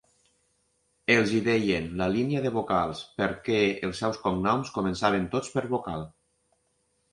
Els hi deien la "Línia de vocals" perquè els seus cognoms començaven tots per vocal.